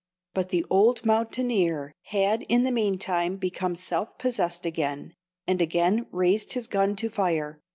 But the old mountaineer had in the mean time become self possessed again, and again raised his gun to fire.